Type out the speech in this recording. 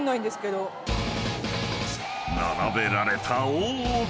［並べられた大きな］